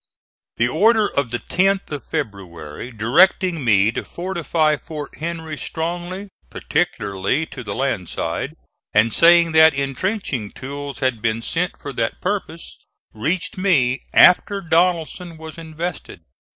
The order of the 10th of February directing me to fortify Fort Henry strongly, particularly to the land side, and saying that intrenching tools had been sent for that purpose, reached me after Donelson was invested.